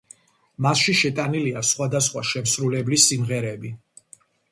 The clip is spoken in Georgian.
მასში შეტანილია სხვადასხვა შემსრულებლის სიმღერები.